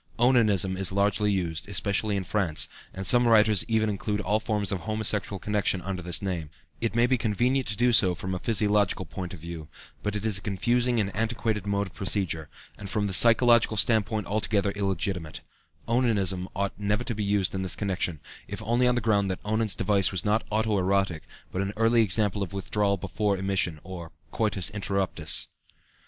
"Onanism" is largely used, especially in France, and some writers even include all forms of homosexual connection under this name; it may be convenient to do so from a physiological point of view, but it is a confusing and antiquated mode of procedure, and from the psychological standpoint altogether illegitimate; "onanism" ought never to be used in this connection, if only on the ground that Onan's device was not auto erotic, but was an early example of withdrawal before emission, or coitus interruptus.